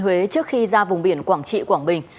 thừa thiên huế trước khi ra vùng biển quảng trị quảng bình